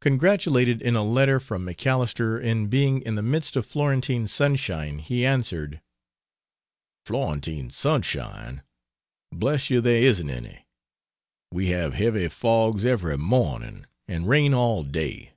Congratulated in a letter from MacAlister in being in the midst of Florentine sunshine, he answered: "Florentine sunshine? Bless you, there isn't any. We have heavy fogs every morning, and rain all day.